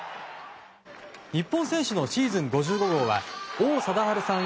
日本選手のシーズン５５号は王貞治さん